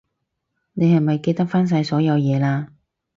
你係咪記得返晒所有嘢喇？